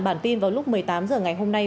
bản tin vào lúc một mươi tám h ngày hôm nay